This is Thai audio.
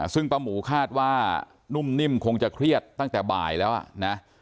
ซึ่งป้าหมูคาดว่านุ่มนิ่มคงจะเครียดตั้งแต่บ่ายแล้วนะ